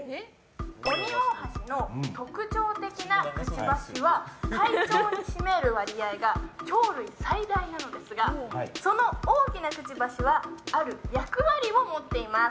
オニオオハシの特徴的なくちばしは体長に占める割合が鳥類最大なのですがその大きなくちばしはある役割を持っています。